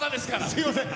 すみません。